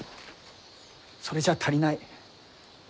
それじゃあ足りない。